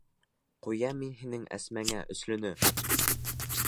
Ҡуям мин һинең Әсмәңә «өслө»нө!